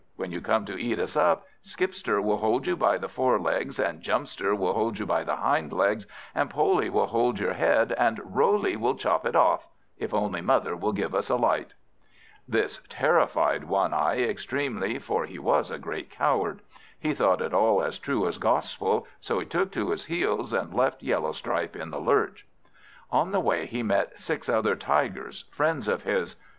When you come to eat us up, Skipster will hold you by the forelegs, and Jumpster will hold you by the hind legs, and Poley will hold your head, and Roley will chop it off, if only mother will give us a light." This terrified One eye extremely, for he was a great coward. He thought it all as true as gospel, so he took to his heels, and left Yellowstripe in the lurch. On the way, he met six other Tigers, friends of his.